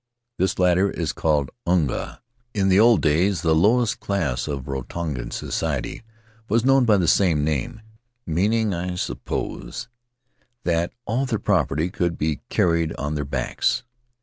This latter is called unga; in the old days the lowest class of Rarotonga society was known by the same name — meaning, I suppose, that all of their property could be carried on their backs.